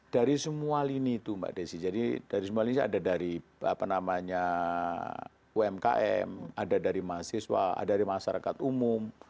dari semua lini itu mbak desi jadi dari semua lini ada dari apa namanya umkm ada dari mahasiswa ada dari masyarakat umum